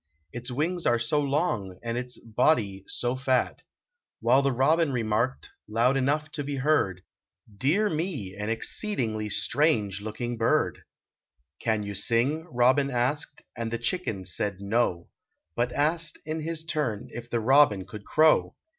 Its wings are so long and its body so fat !" While the robin remarked, loud enough to be heard, Dear me ! an exceedingly strange looking bird !" Can you sing?" robin asked, and the chicken said, "No," But asked in his turn if the robin could crow.